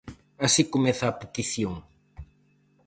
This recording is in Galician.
Así comeza a petición.